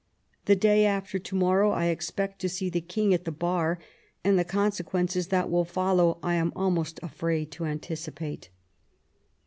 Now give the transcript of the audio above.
The day after to morrow I expect to see the King at the bar, and the consequences that will follow I am almost afraid to anticipate.